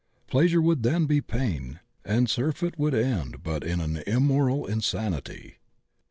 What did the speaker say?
Pleasure would then be pain, and surfeit would end but in an immortal insanity.